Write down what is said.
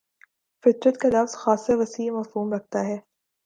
فطرت کا لفظ خاصہ وسیع مفہوم رکھتا ہے